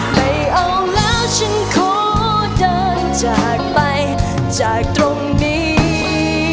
ไม่เอาแล้วฉันขอเดินจากไปจากตรงนี้